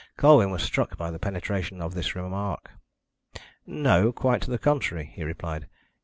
Colwyn was struck by the penetration of this remark. "No, quite the contrary," he replied.